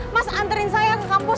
mas anterin saya ke kampus